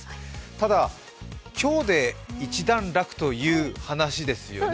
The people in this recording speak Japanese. ただ、今日で一段落という話ですよね。